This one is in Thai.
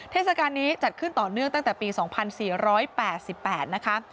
เทศกาลนี้จัดขึ้นต่อเนื่องตั้งแต่ปี๒๔๘๘นะคะ